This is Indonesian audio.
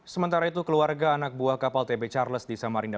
sementara itu keluarga anak buah kapal tb charles di samarinda